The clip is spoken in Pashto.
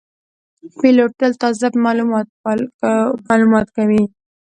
پیلوټ تل تازه معلومات مطالعه کوي.